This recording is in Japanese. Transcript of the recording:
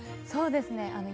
そうですね。